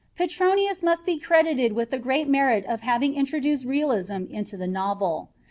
Petronius must be credited with the great merit of having introduced realism into the novel.